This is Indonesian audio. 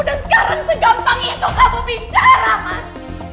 dan sekarang segampang itu kamu bicara mas